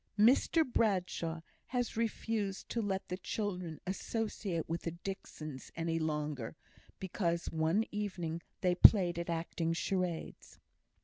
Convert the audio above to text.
"Mr Bradshaw has refused to let the children associate with the Dixons any longer, because one evening they played at acting charades."